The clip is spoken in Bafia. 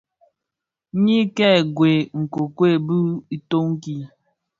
Nyi kèn gwed nkuekued bi itön ki.